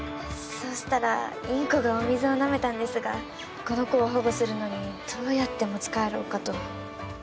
そうしたらインコがお水をなめたんですがこの子を保護するのにどうやって持ち帰ろうかと。